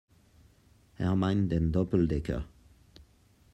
Er meint den Doppeldecker.